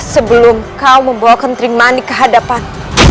sebelum kau membawa kentring mani ke hadapan